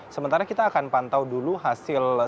sementara kita akan pantau dulu hasil sementara